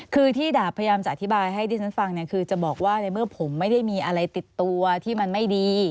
คือที่ดาบพยายามจะอธิบายให้ดิฉันฟังเนี่ยคือจะบอกว่าในเมื่อผมไม่ได้มีอะไรติดตัวที่มันไม่ดี